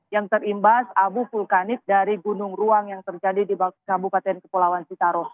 yang terimbas abu vulkanik dari gunung ruang yang terjadi di kabupaten kepulauan citaro